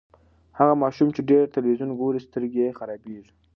هغه ماشوم چې ډېر تلویزیون ګوري، سترګې یې خرابیږي.